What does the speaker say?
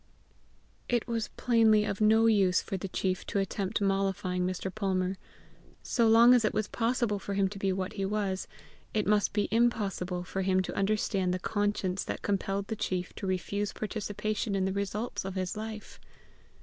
It was plainly of no use for the chief to attempt mollifying Mr. Palmer. So long as it was possible for him to be what he was, it must be impossible for him to understand the conscience that compelled the chief to refuse participation in the results of his life.